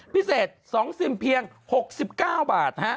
พิเศษ๒ซิมเพียง๖๙บาท